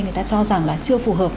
người ta cho rằng là chưa phù hợp